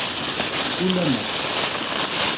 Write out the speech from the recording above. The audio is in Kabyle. Ulamma.